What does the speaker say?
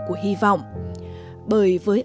của hy vọng bởi với